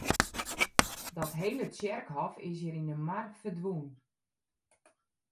Dat hele tsjerkhôf is hjir yn de mar ferdwûn.